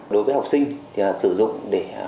đối với học sinh thì sử dụng để